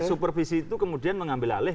supervisi itu kemudian mengambil alih